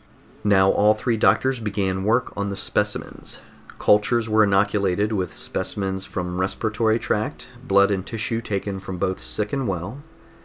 Now all three doctors began work on the specimens. Cultures were inoculated with specimens from respiratory tract, blood and tissue taken from both sick and well.